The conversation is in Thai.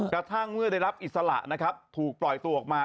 กระทั่งเมื่อได้รับอิสระนะครับถูกปล่อยตัวออกมา